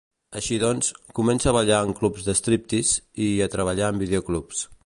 Així doncs, comença a ballar en clubs de striptease, i a treballar en videoclubs.